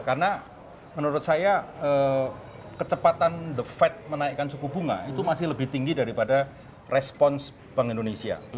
karena menurut saya kecepatan the fed menaikkan suku bunga itu masih lebih tinggi daripada respons bank indonesia